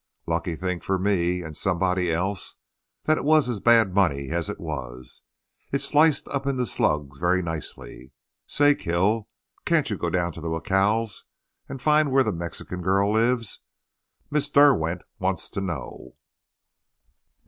Lucky thing for me—and somebody else—that it was as bad money as it was! It sliced up into slugs very nicely. Say, Kil, can't you go down to the jacals and find where that Mexican girl lives? Miss Derwent wants to know."